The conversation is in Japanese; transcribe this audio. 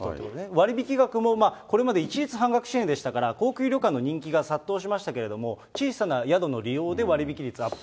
割引額もこれまで一律半額支援でしたから、高級旅館の人気が殺到しましたけれども、小さな宿の利用で割引率アップ。